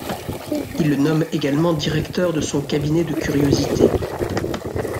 Il le nomme également directeur de son cabinet de curiosités.